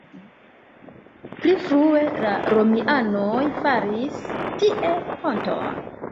Pli frue la romianoj faris tie ponton.